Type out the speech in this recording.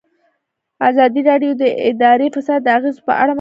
ازادي راډیو د اداري فساد د اغیزو په اړه مقالو لیکلي.